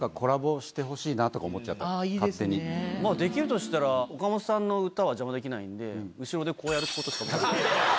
できるとしたら岡本さんの歌は邪魔できないんで後ろでこうやることしか。